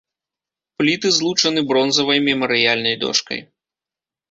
Пліты злучаны бронзавай мемарыяльнай дошкай.